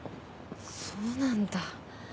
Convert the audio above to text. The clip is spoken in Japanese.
そうなんだ。